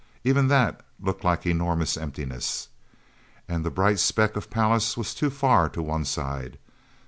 Even that looked like enormous emptiness. And the brightened speck of Pallas was too far to one side.